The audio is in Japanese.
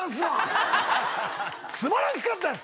素晴らしかったです！